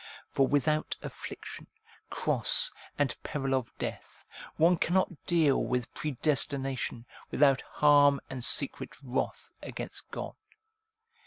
For without affliction, cross, and peril of death, one cannot deal with predestination, without harm and secret wrath against God.